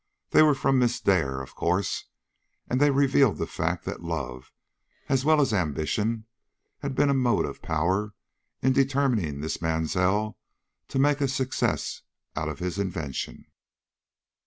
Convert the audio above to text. They were from Miss Dare, of course, and they revealed the fact that love, as well as ambition, had been a motive power in determining this Mansell to make a success out of his invention."